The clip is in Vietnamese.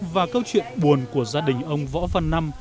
và câu chuyện buồn của gia đình ông võ văn năm